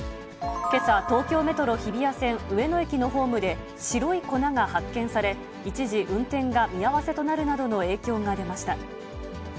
けさ、東京メトロ日比谷線上野駅のホームで、白い粉が発見され、一時運転が見合わせとなるなどの影響が出ました。